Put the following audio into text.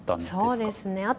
そうですね。